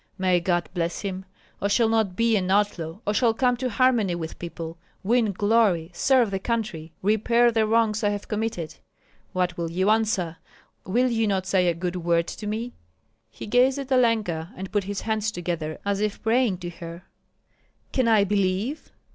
May God bless him! I shall not be an outlaw, I shall come to harmony with people, win glory, serve the country, repair the wrongs I have committed. What will you answer? Will you not say a good word to me?" He gazed at Olenka and put his hands together as if praying to her. "Can I believe?"